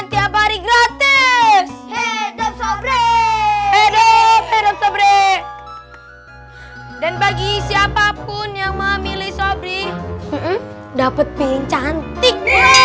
dan bagi siapapun yang memilih sobri dapet piring cantik